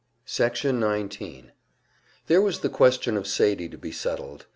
Section 19 There was the question of Sadie to be settled.